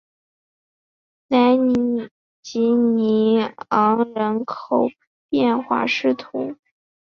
莱济尼昂人口变化图示